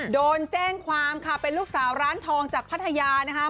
โดนแจ้งความค่ะเป็นลูกสาวร้านทองจากพัทยานะคะ